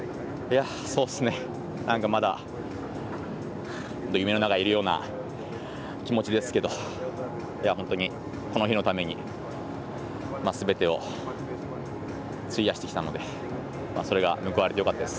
なんか、まだ夢の中にいるような気持ちですけど本当にこの日のためにすべてを費やしてきたのでそれが報われてよかったです。